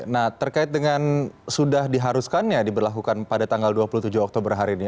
nah terkait dengan sudah diharuskannya diberlakukan pada tanggal dua puluh tujuh oktober hari ini